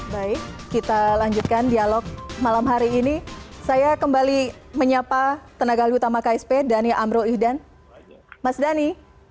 baik kita lanjutkan dialog malam hari ini saya kembali menyapa tenaga lalu utama ksp dany amro ihdan mas dany